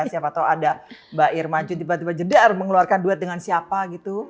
siapa tahu ada mbak irma itu tiba tiba jedar mengeluarkan duet dengan siapa gitu